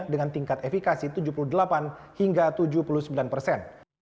dengan tingkat efikasi tujuh puluh delapan hingga tujuh puluh sembilan persen